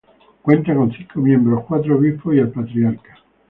Cuenta con cinco miembros: cuatro obispos y el patriarca.